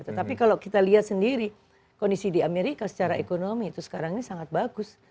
tetapi kalau kita lihat sendiri kondisi di amerika secara ekonomi itu sekarang ini sangat bagus